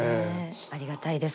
ありがたいです